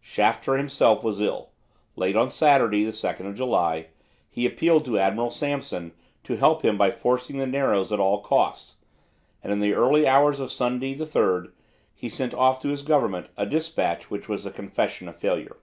Shafter himself was ill. Late on Saturday, 2 July, he appealed to Admiral Sampson to help him by forcing the narrows at all costs, and in the early hours of Sunday, the 3rd, he sent off to his Government a dispatch which was a confession of failure.